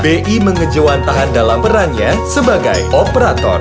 bi mengejawan tahan dalam perannya sebagai operator